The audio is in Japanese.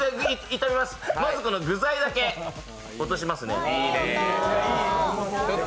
炒めます具材だけ落としますね。